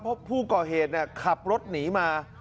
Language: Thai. เพราะผู้ก่อเหตุขับรถหนีมา